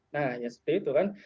nah hanya seperti itu kan